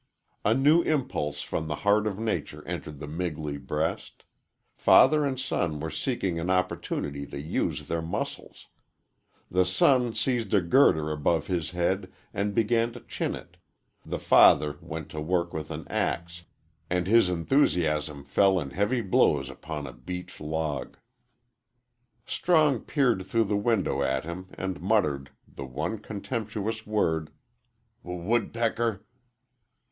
A new impulse from the heart of nature entered the Migley breast. Father and son were seeking an opportunity to use their muscles. The son seized a girder above his head and began to chin it; the father went to work with an axe, and his enthusiasm fell in heavy blows upon a beech log. Strong peered through the window at him and muttered the one contemptuous word, "W woodpecker!"